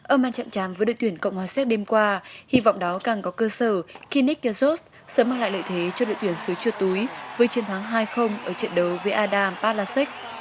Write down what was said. ở màn chạm chám với đội tuyển cộng hòa xét đêm qua hy vọng đó càng có cơ sở khi nick yassos sớm mang lại lợi thế cho đội tuyển xứ chua túi với chiến thắng hai ở trận đấu với adam palaszczuk